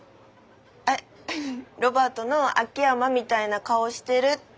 ロバートの秋山みたいな顔してるって。